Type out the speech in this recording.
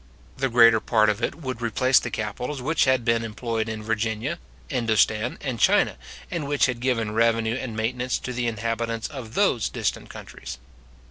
The greater part of it would replace the capitals which had been employed in Virginia, Indostan, and China, and which had given revenue and maintenance to the inhabitants of those distant countries.